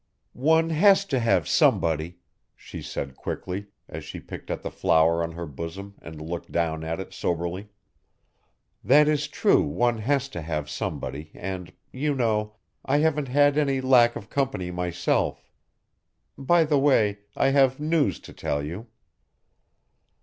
'One has to have somebody!' she said, quickly, as she picked at the flower on her bosom and looked down at it soberly. 'That is true one has to have somebody and, you know, I haven't had any lack of company myself. By the way, I have news to tell you.